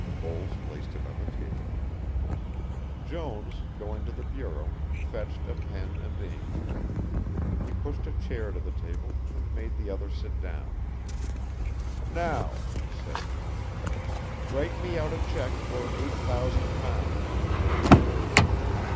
Voles placed it on the table. Jones going to the bureau fetched a pen and ink. He pushed a chair to the table, and made the other sit down. "Now," said Jones, "write me out a cheque for eight thousand pounds."